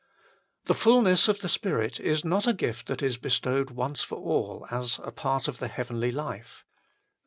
The fulness of the Spirit is not a gift that is bestowed once for all as a part of the heavenly life.